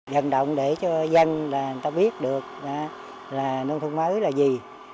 dần động để cho dân là người ta biết được là nông thôn mới là gì